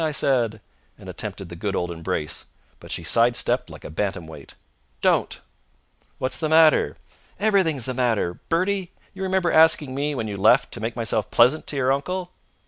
I said, and attempted the good old embrace; but she sidestepped like a bantam weight. "Don't!" "What's the matter?" "Everything's the matter! Bertie, you remember asking me, when you left, to make myself pleasant to your uncle?"